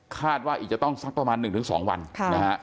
ว่าอีกจะต้องสักประมาณ๑๒วันนะฮะ